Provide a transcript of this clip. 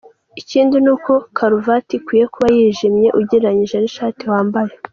Ikindi ni uko karuvati ikwiye kuba yijimye ugereranyije n’ishati wambaye.